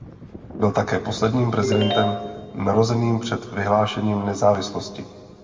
Byl také posledním prezidentem narozeným před vyhlášením nezávislosti.